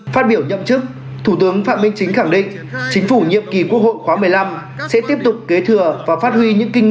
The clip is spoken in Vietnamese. phát biểu nhậm chức thủ tướng phạm minh chính khẳng định chính phủ nhiệm kỳ quốc hội khóa một mươi năm sẽ tiếp tục kế thừa và phát huy những kinh